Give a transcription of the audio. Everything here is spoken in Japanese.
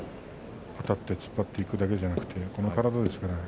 あたって突っ張っていくだけではなく、この体ですからね。